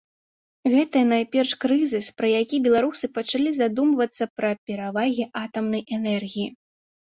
Гэта, найперш, крызіс, праз які беларусы пачалі задумывацца пра перавагі атамнай энергіі.